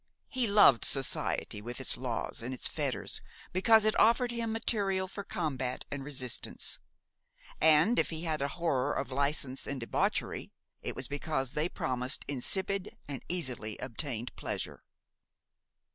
He loved society with its laws and its fetters, because it offered him material for combat and resistance; and if he had a horror of license and debauchery, it was because they promised insipid and easily obtained pleasure.